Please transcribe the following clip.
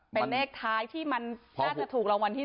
เป็นเลขท้ายที่มันน่าจะถูกรางวัลที่๑